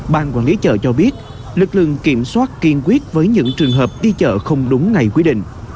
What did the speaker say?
ban quản lý chợ cho biết lực lượng kiểm soát kiên quyết với những trường hợp đi chợ không đúng ngày quy định